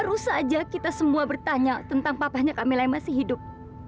baru saja kita semua bertanya tentang papanya kamila yang masih hidup